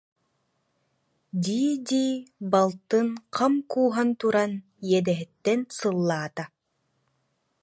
дии-дии балтын хам кууһан туран иэдэһиттэн сыллаата